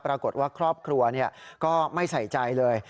ปรากฏว่าครอบครัวก็ไม่ใส่ใจเลย